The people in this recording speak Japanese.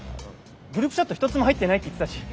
グループチャット一つも入ってないって言ってたし。